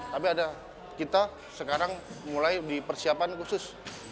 tapi ada kita sekarang mulai di persiapan khusus